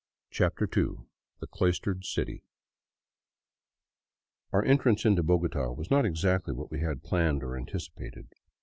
CHAPTER II THE CLOISTERED CITY OUR entrance into Bogota was not exactly what we had planned or anticipated.